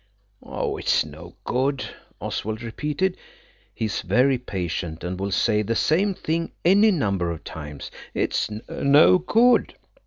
"It's no good," Oswald repeated; he is very patient and will say the same thing any number of times. "It's no good.